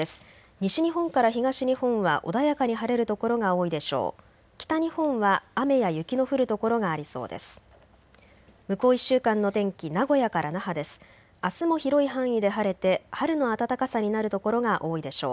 西日本から東日本は穏やかに晴れる所が多いでしょう。